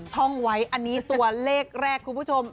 ท่องไว้อันนี้ตัวเลขแรกคุณผู้ชม